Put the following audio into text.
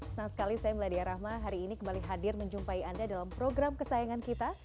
senang sekali saya meladia rahma hari ini kembali hadir menjumpai anda dalam program kesayangan kita